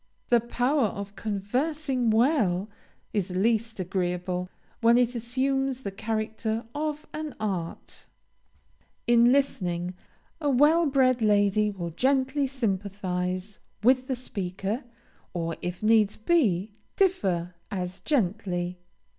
The power of conversing well is least agreeable when it assumes the character of an art. In listening, a well bred lady will gently sympathize with the speaker; or, if needs must be, differ, as gently.